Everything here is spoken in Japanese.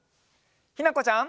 ひなこちゃん。